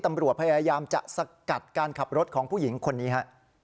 ตำรวจพยายามจะสกัดการขับรถของผู้หญิงคนนี้ฮะ